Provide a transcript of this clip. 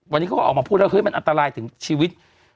วันนี้เขาก็ออกมาพูดแล้วเฮ้ยมันอันตรายถึงชีวิต